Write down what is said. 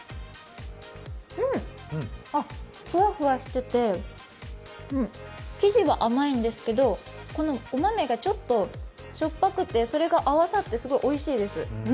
ふわふわしてて、生地は甘いんですけどこのお豆がちょっとしょっぱくてそれが合わさってすごいおいしいです。